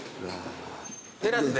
テラスで？